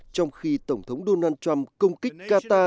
trong khi tổng thống donald trump công kích qatar